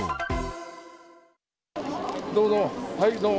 どうも、はい、どうぞ。